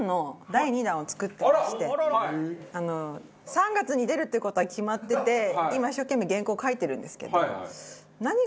３月に出るっていう事は決まってて今一生懸命原稿を書いてるんですけど。